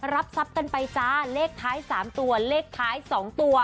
รับทรัพย์กันไปจ้าเลขท้าย๓ตัวเลขท้าย๒ตัว